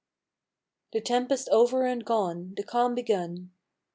T'HE tempest over and gone, the calm begun.